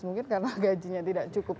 mungkin karena gajinya tidak cukup